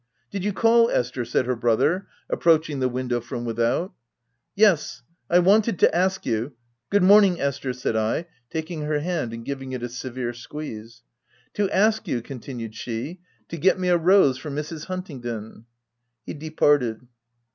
" Did you call, Esther ?" said her brother, approaching the window from without. " Yes ; I wanted to ask you —"" Good morning, Esther," said I, taking her hand and giving it a severe squeeze. " To ask you," continued she, " to get me a rose for Mrs. Huntingdon." He departed.